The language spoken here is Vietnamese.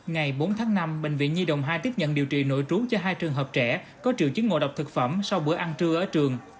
ngày bốn tháng năm bệnh viện nhi đồng hai tiếp nhận điều trị nội trú cho hai trường hợp trẻ có triệu chứng ngộ độc thực phẩm sau bữa ăn trưa ở trường